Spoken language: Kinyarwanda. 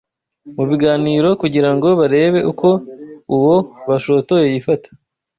mu biganiro kugira ngo barebe uko uwo bashotoye yifata